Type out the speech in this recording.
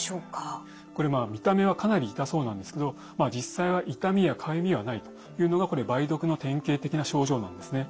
これ見た目はかなり痛そうなんですけど実際は痛みやかゆみはないというのがこれ梅毒の典型的な症状なんですね。